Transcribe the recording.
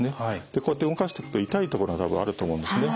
こうやって動かしていくと痛い所があると思うんですね。